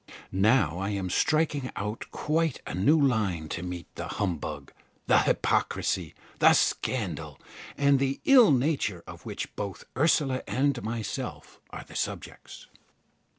Now I am striking out quite a new line to meet the humbug, the hypocrisy, the scandal, and the ill nature of which both Ursula and myself are the subjects.